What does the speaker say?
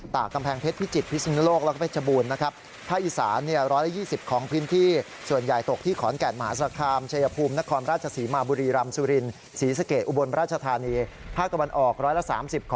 ตากำแพงเพชรพิจิตรพิศมินโลกแล้วก็เพชรบูรณ์นะครับ